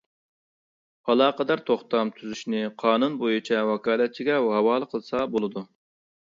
ئالاقىدار توختام تۈزۈشنى قانۇن بويىچە ۋاكالەتچىگە ھاۋالە قىلسا بولىدۇ.